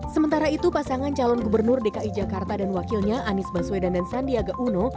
sementara itu pasangan calon gubernur dki jakarta dan wakilnya anies baswedan dan sandiaga uno